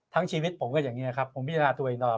ทั้งชีวิตผมก็อย่างเงี้ยครับผมพิจารณาตัวเองตลอด